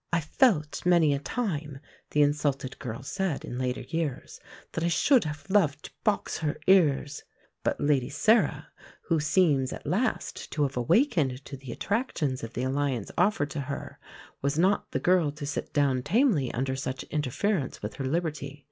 "I felt many a time," the insulted girl said in later years, "that I should have loved to box her ears." But Lady Sarah, who seems at last to have awakened to the attractions of the alliance offered to her, was not the girl to sit down tamely under such interference with her liberty.